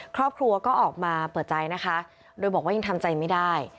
ครอบครัวออกมาแปลว่าเปิดใจโดยบอกว่ายังทำใจไม่ได้